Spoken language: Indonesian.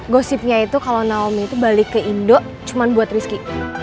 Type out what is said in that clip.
gosipnya itu kalau naomi itu balik ke indo cuma buat rizky